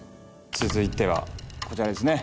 続いてはこちらですね